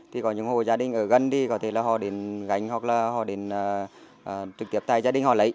thì có những hồ gia đình ở gần thì có thể là họ đến gánh hoặc là họ đến trực tiếp tay gia đình họ lấy